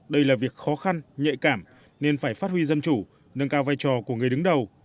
đây là việc khó khăn nhạy cảm nên phải phát huy dân chủ nâng cao vai trò của người đứng đầu